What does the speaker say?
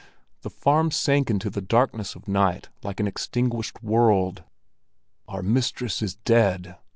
The farm sank into the darkness of night like an extinguished world. "Our mistress is dead!"